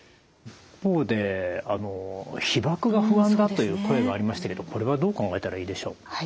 一方で被ばくが不安だという声がありましたけどこれはどう考えたらいいでしょう。